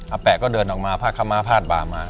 อาแปะก็เดินออกมาภาคม้าภาสบามา